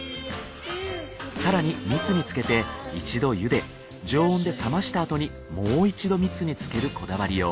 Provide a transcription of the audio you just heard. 更に蜜に漬けて一度ゆで常温で冷ましたあとにもう一度蜜に漬けるこだわりよう。